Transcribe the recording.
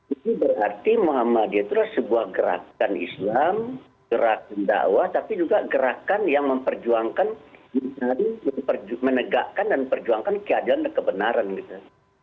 ini berarti muhammadiyah itu adalah sebuah gerakan islam gerakan dakwah tapi juga gerakan yang memperjuangkan mencari menegakkan dan perjuangkan keadilan dan kebenaran gitu